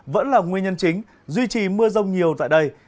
vẫn là nguyên nhân chính duy trì mưa rông nhiều tại đây